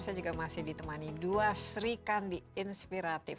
saya juga masih ditemani dua serikan di inspiratif